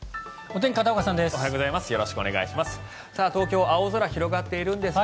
おはようございます。